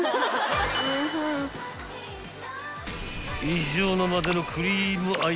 ［異常なまでのクリーム愛で